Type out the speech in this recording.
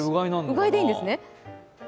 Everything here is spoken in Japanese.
うがいでいいんですね。